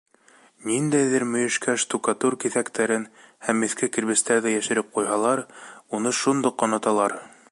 Ниндәйҙер мөйөшкә штукатур киҫәктәрен һәм иҫке кирбестәрҙе йәшереп ҡуйһалар, уны шундуҡ оноталар.